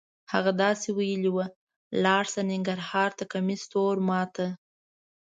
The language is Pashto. هغه داسې ویلې وه: لاړ شه ننګرهار ته کمیس تور ما ته.